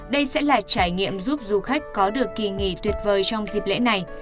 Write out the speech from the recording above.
đây sẽ là trải nghiệm giúp du khách có được kỳ nghỉ tuyệt vời trong dịp lễ này